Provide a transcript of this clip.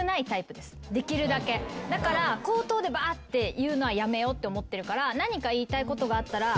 だから口頭でバーッて言うのはやめようって思ってるから何か言いたいことがあったら。